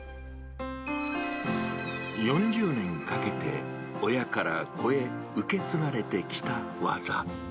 ４０年かけて、親から子へ受け継がれてきた技。